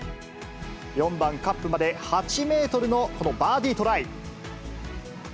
４番、カップまで８メートルのこのバーディートライ。